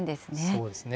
そうですね。